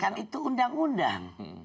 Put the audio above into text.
kan itu undang undang